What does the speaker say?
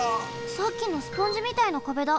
さっきのスポンジみたいな壁だ。